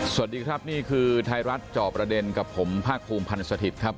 สวัสดีครับนี่คือไทยรัฐจอบประเด็นกับผมภาคภูมิพันธ์สถิตย์ครับ